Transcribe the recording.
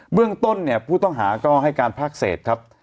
เรื่องต้นเนี่ยผู้ต้องหาก็ให้การภาคเศษครับ